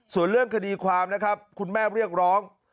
ส่วนเรื่องคดีความนะครับคุณแม่เรียกร้อง